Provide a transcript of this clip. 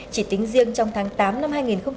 chỉ tính riêng trong tháng tám năm hai nghìn một mươi chín